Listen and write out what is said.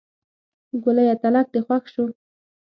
ګوليه تلک دې خوښ شو.